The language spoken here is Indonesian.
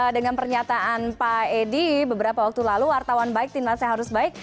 dengan pernyataan pak edi beberapa waktu lalu wartawan baik timnasnya harus baik